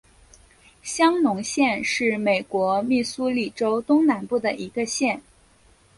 香农县是美国密苏里州东南部的一个县。